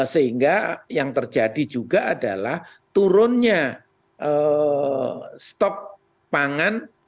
sehingga yang terjadi juga adalah turunnya stok pangan